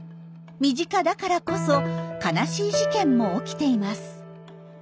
身近だからこそ悲しい事件も起きています。